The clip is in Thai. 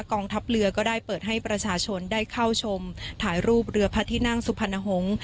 กองทัพเรือก็ได้เปิดให้ประชาชนได้เข้าชมถ่ายรูปเรือพระที่นั่งสุพรรณหงษ์